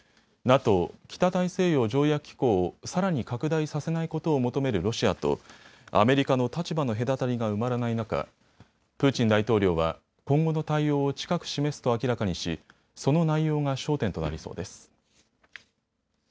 ＮＡＴＯ・北大西洋条約機構をさらに拡大させないことを求めるロシアとアメリカの立場の隔たりが埋まらない中、プーチン大統領は今後の対応を近く示すと明らかにしその内容が焦点となりそうです。